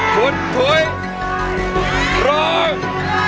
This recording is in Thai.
คุณถุยร้อง